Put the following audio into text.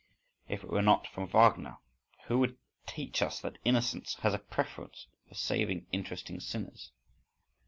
If it were not for Wagner, who would teach us that innocence has a preference for saving interesting sinners?